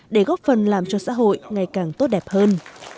để góp phần làm cho xã hội ngày càng tốt đẹp hơn